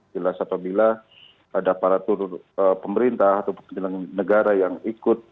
jelas apabila ada aparatur pemerintah atau penyelenggara negara yang ikut